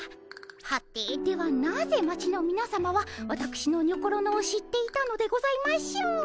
はてではなぜ町のみなさまはわたくしのにょころのを知っていたのでございましょう？